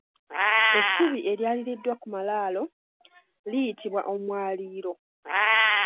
Essubi eryaliriddwa ku malaalo liyitibwa Omwaliiro.